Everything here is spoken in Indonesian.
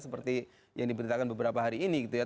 seperti yang diberitakan beberapa hari ini gitu ya